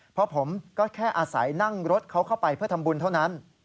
เพราะผมก็แค่อาศัยนั่งรถเขาเข้าไปเพื่อทำบุญเท่านั้น